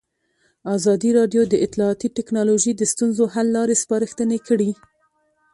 ازادي راډیو د اطلاعاتی تکنالوژي د ستونزو حل لارې سپارښتنې کړي.